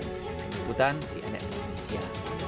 penyemputan sianet indonesia